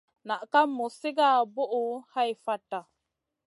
Naʼ ka muz sigara buʼu hai fata.